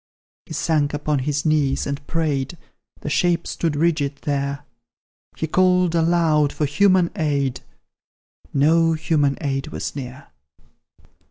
He sank upon his knees and prayed The shape stood rigid there; He called aloud for human aid, No human aid was near.